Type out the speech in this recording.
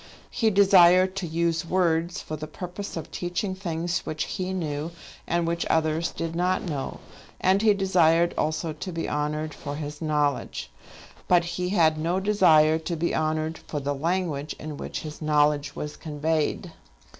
He desired to use words for the purpose of teaching things which he knew and which others did not know; and he desired also to be honoured for his knowledge. But he had no desire to be honoured for the language in which his knowledge was conveyed.